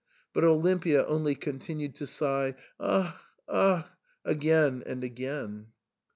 But Olimpia only continued to sigh " Ach ! Ach !" again and again.